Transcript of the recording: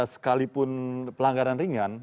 sekalipun pelanggaran ringan